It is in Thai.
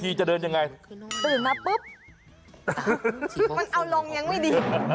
ตื่นมาปุ๊บมันเอาลงยังไม่ดี